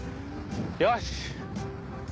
よし！